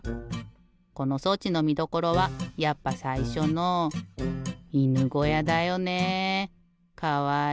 この装置のみどころはやっぱさいしょのいぬごやだよねえかわいい。